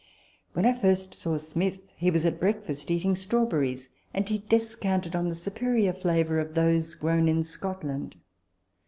When I first saw Smith, he was at breakfast, eating strawberries ; and he descanted on the superior flavour of those grown in Scotland.